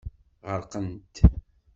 Ɣerqent.